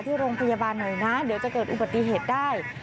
ที่โรงพยาบาลหน่อยนะเดี๋ยวจะเกิดอุบัติเหตุได้